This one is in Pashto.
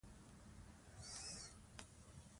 هلته نجونې په والی بال او ټینس کې ګډون کوي.